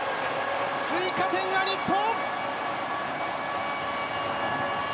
追加点は日本！